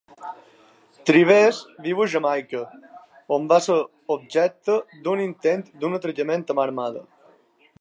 Trivers viu a Jamaica, on va ser objecte d"un intent d"un atracament a mà armada.